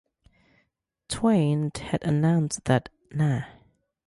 Twain had announced that Nah!